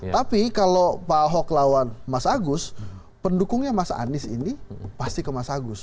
tapi kalau pak ahok lawan mas agus pendukungnya mas anies ini pasti ke mas agus